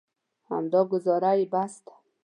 همدا ګوزاره یې بس ده.